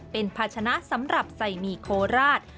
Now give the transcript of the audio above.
เป็นภาชนะสำหรับใส่หมี่โคราช